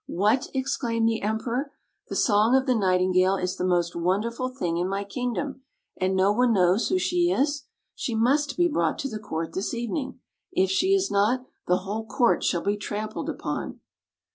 "What!" exclaimed the Emperor, "the song of the Nightingale is the most wonder ful thing in my kingdom, and no one knows who she is! She must be brought to the court this evening. If she is not, the whole com't shall be trampled upon!